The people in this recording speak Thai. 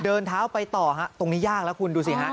เดินเท้าไปต่อฮะตรงนี้ยากแล้วคุณดูสิฮะ